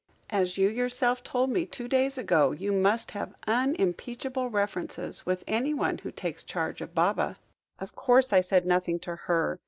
As you yourself told me two days ago, you must have unimpeachable references with anyone who takes charge of Baba." "Of course I said nothing to her.